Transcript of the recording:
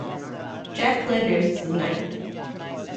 Jack Flanders is the ninth.